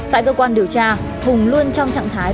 tại cơ quan điều tra hùng luôn trong trạng thái